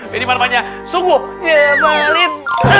jadi marah marahnya sungguh nyebalin